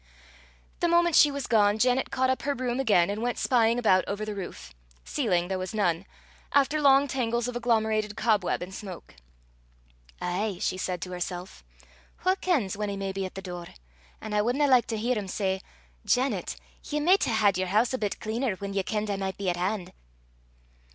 The moment she was gone, Janet caught up her broom again, and went spying about over the roof ceiling there was none after long tangles of agglomerated cobweb and smoke. "Ay!" she said to herself, "wha kens whan he may be at the door? an' I wadna like to hear him say 'Janet, ye micht hae had yer hoose a bit cleaner, whan ye kenned I micht be at han'!